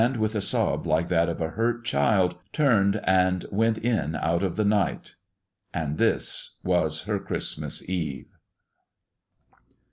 with a sob like that of a hurt child, turned and went in out of the night. And this was her Christmas Eve.